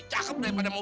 itu kan bawa berasa karu